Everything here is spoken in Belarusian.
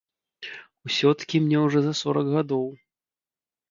Усё-ткі мне ўжо за сорак гадоў.